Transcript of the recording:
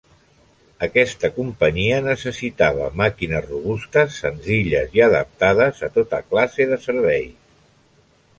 Aquesta companyia necessitava màquines robustes, senzilles i adaptades a tota classe de serveis.